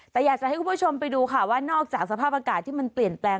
แต่อยากจะให้คุณผู้ชมไปดูค่ะว่านอกจากสภาพอากาศที่มันเปลี่ยนแปลง